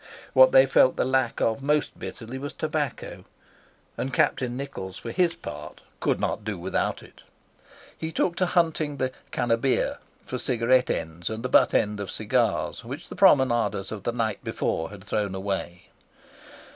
What they felt the lack of most bitterly was tobacco, and Captain Nichols, for his part, could not do without it; he took to hunting the "Can o' Beer," for cigarette ends and the butt end of cigars which the promenaders of the night before had thrown away.